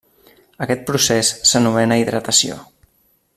Aquest procés s'anomena hidratació.